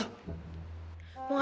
mau ngapain lagi sih tuh anak